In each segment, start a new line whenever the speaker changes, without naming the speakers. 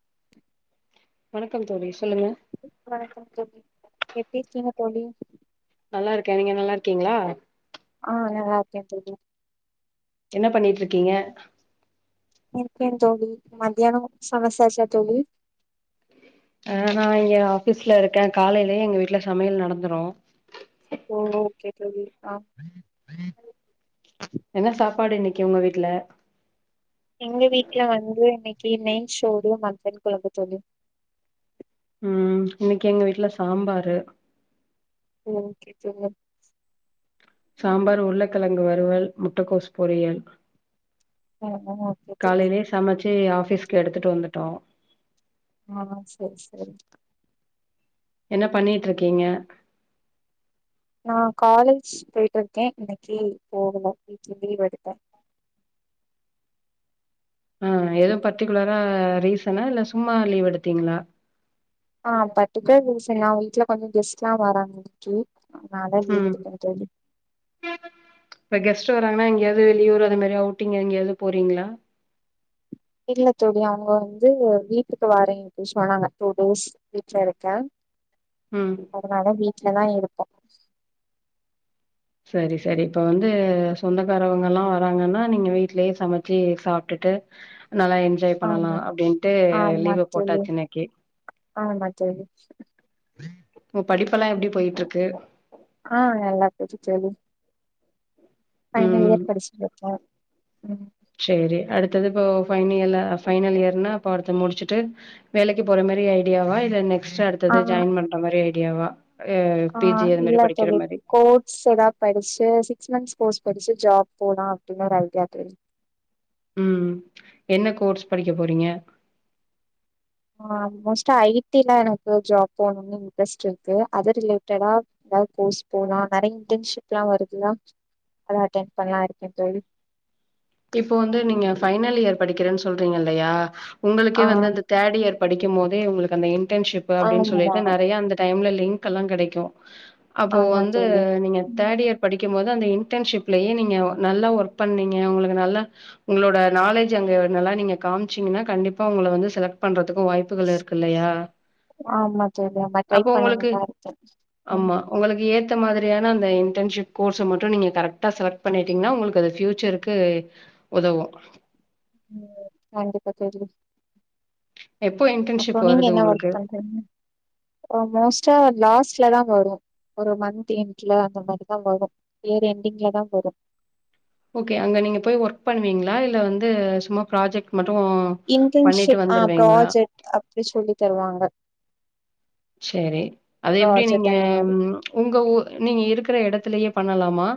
[inaudible]
வணக்கம் தோழி சொல்லுங்க
வணக்கம் தோழி எப்டிருக்கீங்க தோழி
நல்லாருக்கே நீங்க நல்லாருக்கீங்களா
ஆ நல்லா இருக்கே தோழி
என்ன பண்ணிட்ருக்கீங்க
இருக்கேன் தோழி மதியானோ சமச்சாச்சா தோழி
ஆ நா இங்க ஆஃபீஸ்லருக்க காலைலே எங்க வீட்ல சமையல் நடந்துரு
ஓ ஓகே தோழி ஆ
என்ன சாப்பாடு இன்னிக்கு உங்க வீட்ல
எங்க வீட்ல வந்து இன்னிக்கி நெய்ஷோரு மட்டன் குழம்பு தோழி
ம் இன்னக்கி எங்க வீட்ல சாம்பாரு
ம் ஓகே தோழி
சாம்பார் உருளக்கிழங்கு வறுவல் முட்டக்கோஸ் பொரியல்
உ ஓகே தோழி
சமச்சி ஆஃபிஸ்க்கு எடுத்துட்டு வந்துட்டோ
ஆ செரி செரி
என்ன பண்ணிட்ருக்கீங்க
நா காலேஜ் போயிட்ருக்கே இன்னிக்கி போகல வீட்ல லீவ் எடுத்தே
ஆ ஏது பர்டிகுலரா ரீசனா இல்ல சும்மா லீவ் எடுத்தீங்ளா
ஆ பர்ட்டிகுலர் ரீசன் நா வீட்ல கொஞ்சோ கெஸ்ட்லா வராங்க இன்னிக்கி அதனால தா லீவ்
ம்
எடுத்தே தோழி
இப்ப கெஸ்ட்டு வராங்கன்னா எங்கயாது வெளியூர் அது மாரி அவுட்டிங் எங்கியாது போறீங்ளா
இல்ல தோழி அவுங்க வந்து வீட்டுக்கு வரேன்ட்டு அப்டி சொன்னாங்க டூ டேஸ் வீட்லருக்க
ம்
அதனால வீட்லதா இருப்போ
சரி சரி இப்ப வந்து சொந்தக்காரவங்கல்லா வராங்கன்னா நீங்க வீட்லயே சமச்சி சாப்ட்டுட்டு நல்லா என்ஜாய் பண்ணலா
ஆமா
அப்டின்ட்டு
ஆமா
லீவு
தோழி
போட்டாச்சி இன்னைக்கி
ஆமா தோழி
இப்போ படிப்பெல்லா எப்டி
ம்.
போய்ட்ருக்கு
ஆ நல்லா போது தோழி ஃபைனல்
ம்
இயர் படிச்சிட்ருக்கே ம்
செரி அடுத்தது இப்போ ஃபைனியல் ஃபைனல் இயர்னா அப்ப அடுத்து முடிச்சுட்டு வேலைக்கு போற மாரி ஐடியாவா இல்ல நெக்ஸ்ட்டு
ஆ
அடுத்தது ஜாயின் பண்ற மாரி ஐடியாவா அ
ஆ
பி ஜி அது
இல்ல
மாரி படிக்கிற
தோழி
மாரி
கோட்ஸ் எதா படிச்சு சிக்ஸ் மந்த்ஸ் கோர்ஸ் பச்சு ஜாப் போலா அப்டின்னு ஒரு ஐடியா தெரியு
ம் என்ன கோர்ஸ் படிக்க போறீங்க
ஆ மோஸ்டா ஐ டி ல எனக்கு ஜாப் போணுனு இன்ட்ரெஸ்ட் இருக்கு அது ரிலேட்டடா எதாது கோர்ஸ் போலா நறைய இன்டன்ஷிப்லா வருதுதா அத அட்டென் பண்லா இருக்கே தோழி
இப்போ வந்து நீங்க ஃபைனல் இயர் படிக்கிறேன் சொல்றீங்க இல்லயா
ஆ
உங்களுக்கே வந்து அந்த தேர்ட் இயர் படிக்கும் போதே உங்களுக்கு அந்த இன்டன்ஷிப்பு அப்டின்
ஆமா
சொல்லிட்டு நறைய அந்த டைம்ல லிங்க்கெல்லா கெடைக்கு அப்போ
ஆமா
வந்து
தோழி
நீங்க
ம்.
தேர்ட் இயர் படிக்கும் போது அந்த இன்டன்ஷிப்லயே நீங்க நல்லா ஒர்க் பண்ணீங்க உங்களுக்கு நல்லா உங்களோட நாலேஜ் அங்க நல்லா நீங்க காம்ச்சீங்கன்னா கண்டிப்பா உங்கள வந்து செலக்ட் பண்றதுக்கு வாய்ப்புகள் இருக்கு இல்லயா
ஆம்மா தோழி நம்ம ட்ரை பண்ணணு தாருக்கே தோழி ம்
ஆமா. உங்களுக்கு ஏத்த மாதிரியான அந்த இன்டன்ஷிப் கோர்ஸ்ஸ மட்டு நீங்க கரெக்டா செலக்ட் பண்ணிட்டீங்கன்னா உங்களுக்கு அது ஃப்யூச்சர் க்கு உதவு
ம் கண்டிப்பா தோழி
எப்போ
அப்றோ
இன்டர்ன்ஷிப்
நீங்க
வருது
என்ன
உங்களுக்கு?
ஒர்க் பண்றீங்க ஆ மோஸ்ட்டா லாஸ்ட்லதா வரு ஒரு மந்த் எண்ட்ல அந்த மாதிரிதா வரு இயர் என்டிங்லதா வரு
ஓகே அங்க நீங்க போய் ஒர்க் பண்ணுவீங்களா இல்ல வந்து சும்மா ப்ராஜெக்ட் மட்டு
இன்டர்ன்ஷிப் அ ப்ராஜெக்ட் அப்டி சொல்லி தருவாங்க
சேரி அது எப்டி
ப்ராஜெக்ட்
நீங்க
அந்த மாரி
உங்க ஊர் நீங்க இருக்கிற எடத்துலயே பண்ணலாமா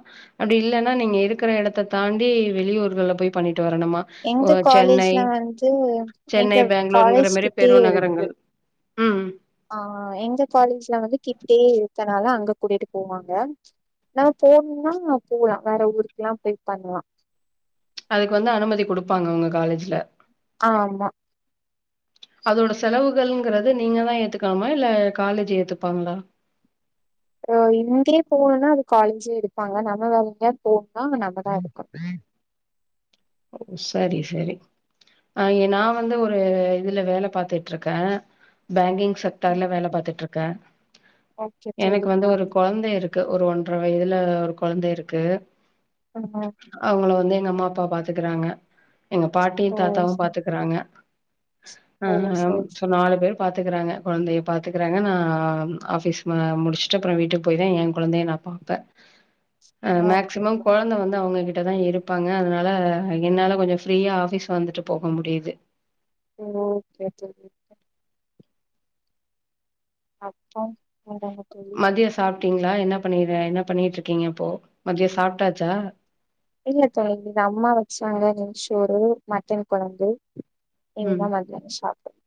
அப்டி இல்லன்னா நீங்க இருக்கிற எடத்த தாண்டி வெளியூர்கள்ல போய் பண்ணிட்டு வரணுமா ஒ
எங்க
சென்னை
காலேஜ்ல வந்து எங்க
சென்னை பெங்களூருங்கிற
காலேஜ்
மாரி பெரும் நகரங்கள் ம்
அ எங்க காலேஜ்ல வந்து கிட்டயே இருக்கனால அங்க கூட்டிட்டு போவாங்க நம்ம போணும்னா போலா வேற ஊருக்குெல்லா போய் பாக்கலா
அதுக்கு வந்து அனுமதி குடுப்பாங்க உங்க காலேஜ்ல
ஆமா
அதோட செலவுகள்ங்கறது நீங்க தா ஏத்துக்கனுமா இல்ல காலேஜ் ஏத்துப்பாங்களா
அப்றோ இங்கேயே போணும்னா அது காலேஜ் எடுப்பாங்க நம்ம வேற எங்கயாது போணும்னா நம்மதா எடுக்கணு
ஓ சரி சரி நா வந்து ஒரு இதுல வேல பாத்துட்டு இருக்கே பேங்கிங் செக்
ம்
டார்ல வேல பாத்துட்ருக்கே
ஓகே
எனக்கு வந்து
தோழிப்பா
ஒரு கொழந்த இருக்கு க்கு ஒரு ஒன்றர வயதுல ஒரு கொழந்த இருக்கு
[unintelligible]
அவங்கள வந்து எங்க அம்மா அப்பா பாத்துக்கறாங்க எங்க பாட்டியு
ஓ
தாத்தாவு
சரி
பாத்துக்கறாங்க அ
ஓ சரி
சோ
சரி
நால் பேர் பாத்துக்கறாங்க கொழந்தையை பாத்துக்கறாங்க நான் ஆஃபீஸ் முடிச்சுட்டு அப்பறோ வீட்டுக்கு போய்தா என் கொழந்தைய நா பாப்பே அ
ஓகே
மேக்சிமம்
தோழி
கொழந்தை வந்து அவங்க கிட்டதா இருப்பாங்க அதனால என்னால கொஞ்சோ ஃப்ரீயா ஆஃபீஸ் வந்துட்டு போக முடியுது
ஓகே ஒகே ஒகே [unintelligible]
மதியோ சாப்ட்டீங்களா என்ன பண்ண என்ன பண்ணிட்டு இருக்கீங்க இப்போ மதியோ சாப்ட்டாச்சா
இல்லத்த இந்த அம்மா வச்சாங்க [unintelligible] ஒரே ஒரு மட்டன் கொழம்பு
ம்
இனிதா மதியானம் சாப்டனு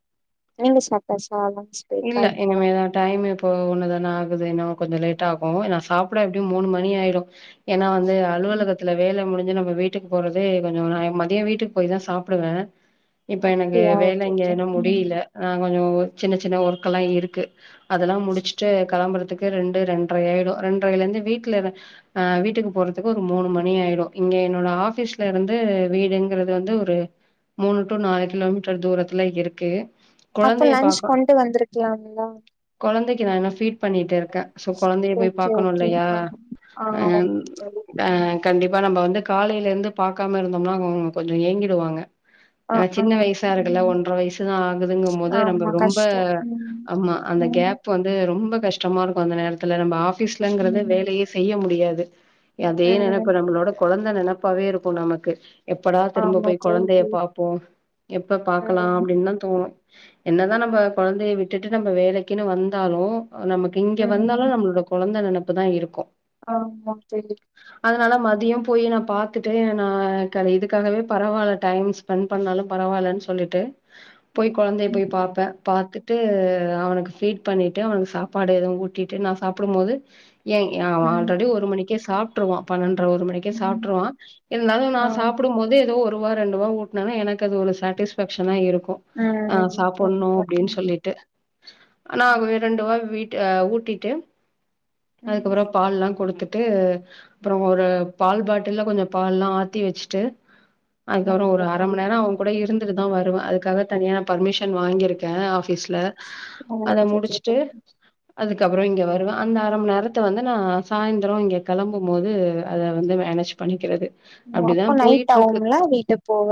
நீங்க சாப்ட்டாச்சா லன்ச் பிரேக்கா
இல்ல
இருக்கா
இனிமேதா டைம் இப்ப ஒன்னுதான ஆகுது இன்னு கொஞ்சோ லேட்டா ஆகு நா சாப்பட எப்டியு மூணு மணி ஆயிரு ஏன்னா வந்து அலுவலக இத்துல வேல முடிஞ்சு நம்ம வீட்டுக்கு போறதே கொஞ்சோ நா மதியம் வீட்டுக்கு போய் தா சாப்டுவே இப்ப எனக்கு
அப்டியா
வேலை
ஓகே
இங்க
ஓகே
இன்னு
ம்
முடியல அ கொஞ்சோ சின்ன சின்ன ஒர்க் எல்லா இருக்கு அதெல்லா முடிச்சுட்டு கெளம்புறதுக்கு ரெண்டு ரெண்டரை ஆயிடு ரெண்டரைல இருந்து வீட்டுல நா வீட்டுக்கு போறதுக்கு ஒரு மூணு மணி ஆயிடு இங்க என்னோட ஆஃபீஸ்ல இருந்து வீடுங்கிறது வந்து ஒரு மூணு டு நாலு கிலோமீட்டர் தூரத்துல இருக்கு
அப்போ
கொழந்தைய
லன்ச்
பாக்க
கொண்டு வந்திருக்கலாம்ல
கொழந்தைக்கு நா இன்னு ஃபீட் பண்ணிட்டுருக்கே சோ கொழந்தைய போய்
ஓகே
பாக்கணு
ஓகே
இல்லையா
ஆ ஆ
அ
ஓகே தோழி
அ
ம்
கண்டிப்பா நம்ம வந்து காலையில இருந்து பாக்காம இருந்தோம்னா அவங்க கொஞ்சோ ஏங்கிடுவாங்க
அ
ஏன்னா
ஆ
சின்ன வயசா இருக்குல்ல
ம்
ஒன்ற வயசுதா ஆகுதுங்க போது
ஆமா
நம்ம ரொம்ப ரொம்ப
கஷ்டோ ம்
ஆமா அந்த
ம்
கேப் வந்து ரொம்ப கஷ்டமா இருக்கு அந்த நேரத்துல நம்ம ஆபீஸ்லங்கறது
ம்
வேலையே செய்ய முடியாது அதே நெனைப்பு
ம்
நம்மளோட கொழந்தை நெனப்பாவே இருக்கு நமக்கு எப்படா திரும்ப
ஆமா
போய்
தோழி
கொழந்தைய பாப்போ எப்ப பாக்கலா
ம்
அப்படின்னு தா தோணு என்னதான் நம்ம கொழந்தைய விட்டுட்டு நம்ம வேலைக்குன்னு வந்தாலு நமக் கிங்க வந்தாலு
ம்
நம்ளோட கொழந்த நெனப்புதா இருக்கு
ஆம்மா ஃபெண்டு
அதனால மதியம் போய் நா பாத்துட்டு நா கர இதுக்காகவே பரவால்ல டைம்ஸ் பண் பண்ணாலு பரவால்ன் சொல்லிட்டு போய் கொழந்தய போய்
ம்
பாப்ப பாத்துட்டு அவனுக்கு ஃபீட் பண்ணிட்டு அவனுக்கு சாப்பாடு எதுவு ஊட்டிட்டு நா சாப்புடும்மோது ஏய் அவன்
ம்
ஆல்ரடி ஒரு மணிக்கே சாப் ட்ருவா பன்னண்ட்ர ஒரு மணிக்கே
ம்
சாப்ட்ருவா இருந்தாலு நா
ஆ
சாப்புடும்போது ஏதோ ஒர் ரு வா ரெண்டுவா ஊட்னனா எனக்கு அது ஒரு சாட்டிஸ்ஃபாக்ஷனா இருக்கு ஆ
ம்
சாப்புட்ணு
கண்டிப்பா
ப்டின்
ம்
சொல்லிட்டு அனா
ம்
அவிங்க ரெண்டு வாய் வீட்டு அ ஊட்டிட்டு
ம்
அதுக்கப்ற பால்லா குடுத்துட்டு ப்றோ ஒரு பால் பாட்டுல்ல கொஞ்ச பால்லா ஆத்தி வெச்ட்டு அதுக்கப்ற
ஓகே
ஒரு அர ம
தோழி
நேர அவ
ம்.
கூட இருந்துட்டுதா வருவ அதுக்காக தனியா நா பர்மிஷன் வாங்கிருக்கே ஆஃபீஸ் ல அத
ஓகே தோழி
முடிச்ட்டு அதுக்கப்புற இங்க வருவே அந்த அர மண் நேரத்த வந்து நா சாய்ந்ரோ இங்க களம்பும்மோது அத வந்து மேனஜ் பண்ணிக்கிறது
ம்.
அப்டிதா
அப்போ நைட்
போயிட்ருக்கு
ஆகும்ல வீட்டு போக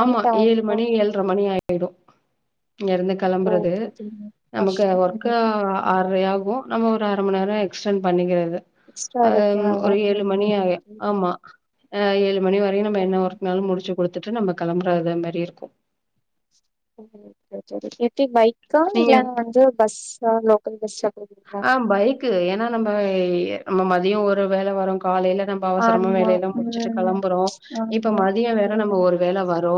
ஆமா ஏழு
ஆகும்ல
மணி எழ் ட்ர மணி ஆயிடு இங்க இருந்து களம்புறது
ஓகே தோழி
நமக்கு
கஷ்டோ
ஒர்க்கு
ம்
ஆறரை ஆகு நம்ம ஒரு அர மணி நேரோ எக்ஸ்டண்ட் பண்ணிக்கிறது
எக்ஸ்ட்ரா
அ
எடுக்கனால
ஒரு ஏழு மணி
ம்
ஆய்
ஓகே
ஆமா அ ஏழு மணி வரயு நம்ம என்ன ஒர்க்னாலு முடுச்சு குடுத்துட்டு நம்ம களம்ப்றத மேரி இருக்கு
செரி எப்டி பைக்கா
நீங்க
இல்ல வந்து பஸ்சா லோக்கல் பஸ்சா கூட [unintelligible]
கு ஏன்னா நம்ப எய் நம்ம மதிய ஒரு வேல வரு காலைல நம் பவசரமா
ஆமா
வேலை எல்லா முடிச்சுட்டு
ம்
களம்புறோ இப்ப
ஆமா
மதிய வேற
ம்
நம்ம ஒரு வேல வரு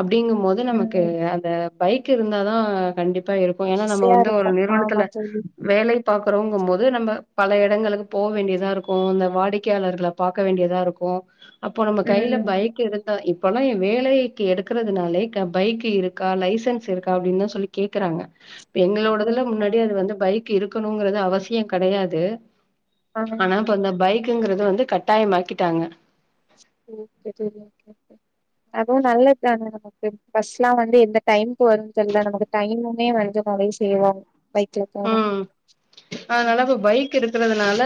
அப்டிங்கும்மோது நமக்கு
ம்
அந்த பைக் இருந்தாதா கண்டிப் பாருக்கு ஏன்னா நம்ம
ஈஸியா
வந்து ஒரு
இருக்கு ஆமா
நிறுவனத்துல
தோழி
வேலை பாக்குறோங்கும்போது நம்ப பல எடங்களுக்கு போ வேண்டியதாருக்கு அந்த வாடிக்கையாளர்க்ள பாக்க வேண்டியதா இருக்கு அப்போ நம்ம கைல
ம்
பைக் எடுத் தா இப்பல்லா ஏ வேலைக்கு எடுக்குறதுனாலே க பைக்கு இருக்கா லைசன்ஸ் இருக்கா அப்டின்தா சொல்லி கேக்குறாங்க ப் எங்களோடதுல
ஆமா
முன்னடி அது
தோழி
வந்து பைக் இருக்கணுங்குறது அவசிய கடையாது
ஆ
ஆனா போ அந்த பைக்குங்குறது வந்து கட்டாயம் ஆக்கிட்டாங்க
ம் தெரிய்ல கேப்ப் அதுவு நல்லத்தாங்க நமக் ஃபஸ்லா வந்து எந்த டைம்க் வருன் தெர்ல நமக்கு டைமுமே வந்து நறைய் சேவாவு பைக்ல போனா ம்
கிருக்குறதுனால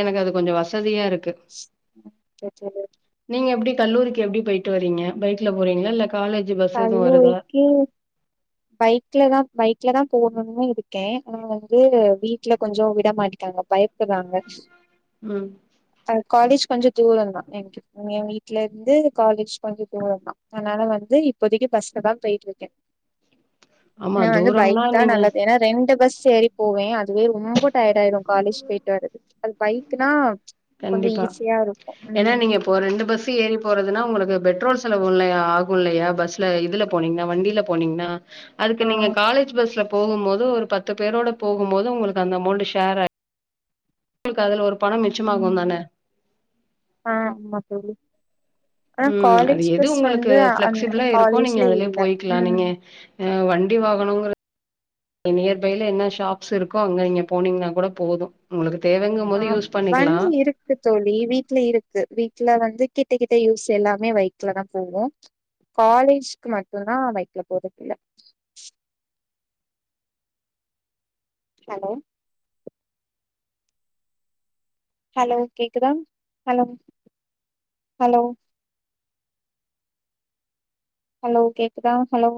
எனக்கு அது கொஞ்ச வசதியாருக்கு
[unintelligible]
நீங்க எப்டி கல்லூரிக்கு எப்டி போயிட்டு வரீங்க பைக்ல போறீங்ளா இல்ல காலேஜு ப
கல்லூரிக்கி பைக்லதா பைக்லதா போணு இருக்கே அனா வந்து வீட் ட்ல கொஞ்சோ விட மாட்டிக்காங்க பயப்புறாங்க
ம்
அது காலேஜ் கொஞ்ச தூரந்தா என்க்கு உண்மயாவீ ட்லர்ந்து காலேஜ் கொஞ்ச தூரந்தா அத்னால வந்து இப் ப்போதிக்கி பஸ்லதா பெய்ட்ருக்கே
ஆமா
அனா வந்து
தூரம்னா
பைக்தா
நீங்க
நல்லது ஏனா அத் ரெண்டு பஸ் ஏறி போவே அதுவே ரொம்ப டயட் ஆயிடு காலேஜ் போய்ட்டு வர்றது அது பைக்னா கொஞ்சோ ஈஸியாருக்கு ம்
ஓ ரெண்டு பஸ்சு ஏறி போறதுனா உங்களுக்கு பெட்ரோல் செலவு இல்லையா ஆகும் இல்லையா பஸ்ல இதுல போனீங்ன்னா வண்டில போனீங்னா அதுக்கு
ஆ
நீங்க காலேஜ் பஸ்ல போகும்போது ஒரு பத்து பேரோட போகும்போது உங்களுக்கு அந்த மௌண்ட் ஷேர் ஆயிர் உங்களுக்கு அதுல ஒரு பணோ மிச்சமாகு தான
ஆ ஆமா தோழி ஆனா
ம் அது
காலேஜ்
எது
பஸ்
உங்களுக்கு
வந்து அந்த
பிளெக்சிபிளா இருக்கு நீங்க
காலேஜ்ல
அதுலயே
இல்ல
போய்க்கலா
ம்
நீங்க அ வண்டி வாகனுங்கற நியர்பைல என்ன ஷாப்ஸ் ருக்கோ அங்க நீங்க போனீங்கினா கூட போது உங்களுக்கு தேவங்க போது யூஸ் பண்ணிக்கலா
க்கு தோழி வீட்ல இருக்கு வீட்டு்ல வந்து கிட்ட கிட்ட யூஸ் எல்லாமே வைக்லதா போவோ காலேஜ்க்கு மட்டு தா பைக்ல போறதில்ல ஹலோ ஹலோ கேக்குதா ஹலோ ஹலோ ஹலோ கேக்குதா ஹலோ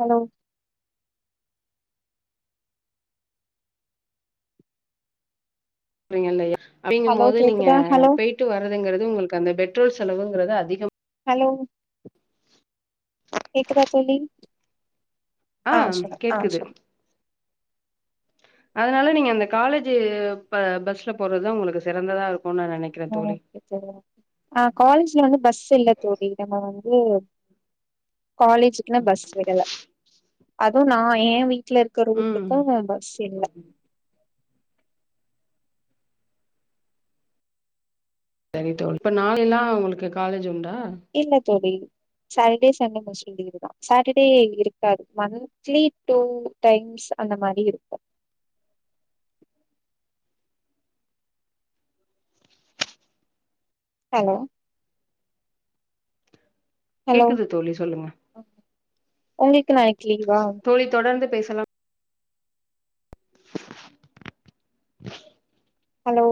ஹலோ
போறிங்க இல்லயா அப்டிங்கு
ஹலோ
போது நீங்க
கேக்குதா ஹலோ
போயிட்டு வர்றதுங்குறது உங்களுக்கு அந்த பெட்ரோல் செலவுங்கிறது அதிகம்
ஹலோ
ஆ [inaudible]
கேக்குதா தோழி ஆ சொல்லுங்க ஆ சொல்
அதுனால நீங்க அந்த காலேஜ் ப பஸ்ல போறதா உங்களுக்கு சிறந்ததாருக்கு நா நெனக்
ஆ ஓகே தோழி ஆ காலேஜ்ல வந்து பஸ் இல்ல தோழி நம்ம வந்து காலேஜ் இன்று பஸ் விடல அதுவு நா ஏ வீட்ல இருக்கற
ம்
ரூட்டுக்கு பஸ் இல்ல
செரி தோழ் இப்ப நாளெல்லா உங்களுக்கு காலேஜ் உண்டா
இல்ல தோழி சேட்டடே சன்டே மோஸ்லி லீவ் தா சட்டடே இருக்காது மன் ச்ளி டூவ் டைம்ஸ் அந்த மாரி இருக்கு ஹலோ
கேக்குது தோழி சொல்லுங்க
ஒங்களுக்கு நாளைக் லீவா
தோழி தொடர்ந்து பேசலா [inaudible]
ஹலோ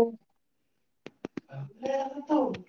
ஹல்லோ